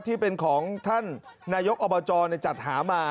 ที่เป็นของท่านนายกอบจจัดหามา